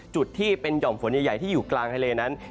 จุดที่เป็นห่อมฝนใหญ่ที่อยู่กลางทะเลนั้น